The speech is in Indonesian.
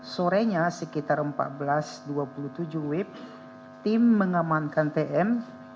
sorenya sekitar empat belas dua puluh tujuh wib tim mengamankan tm